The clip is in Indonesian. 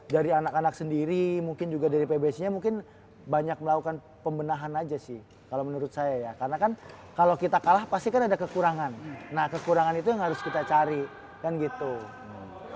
dari anak anak sendiri mungkin juga dari pbc nya mungkin banyak melakukan pembenahan aja sih kalo menurut saya ya karena kan kalo kita kalah pasti kan ada kekurangan nah kekurangan itu yang harus kita cari kan gitu ya